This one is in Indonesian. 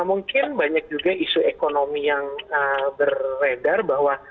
dan mungkin banyak juga isu ekonomi yang beredar bahwa